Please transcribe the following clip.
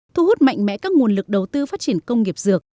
thu hút mạnh mẽ các nguồn lực đầu tư phát triển công nghiệp dược